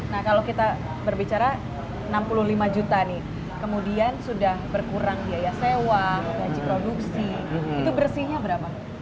nah kalau kita berbicara enam puluh lima juta nih kemudian sudah berkurang biaya sewa gaji produksi itu bersihnya berapa